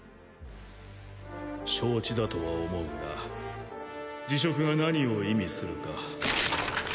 承知だとは思うが辞職が何を意味するか。